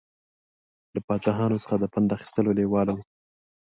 له پاچاهانو څخه د پند اخیستلو لېواله و.